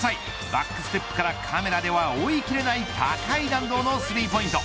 バックステップからカメラでは追いきれない高い弾道のスリーポイント。